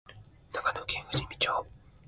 長野県富士見町